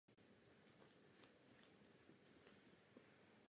Přesto se nejednalo o šťastné spojení.